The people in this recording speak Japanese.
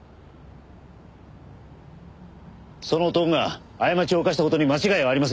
その男が過ちを犯した事に間違いはありません。